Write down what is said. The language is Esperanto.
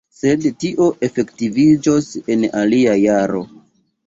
Sed tio efektiviĝos en alia jaro.